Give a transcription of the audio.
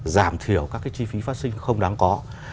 giảm thiểu các cái chi phí phát sinh không đáng có